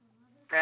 あ！